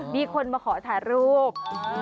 มีคนมาขอถ่ายรูป